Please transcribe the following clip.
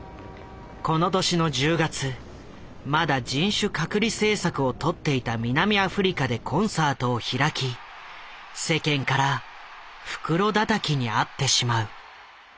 この年の１０月まだ人種隔離政策をとっていた南アフリカでコンサートを開き世間から袋だたきに遭ってしまう。